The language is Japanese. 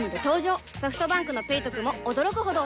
ソフトバンクの「ペイトク」も驚くほどおトク